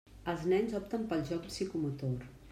Els nens opten pel joc psicomotor.